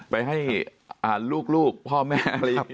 ไปให้ลูกพ่อแม่อะไรอย่างนี้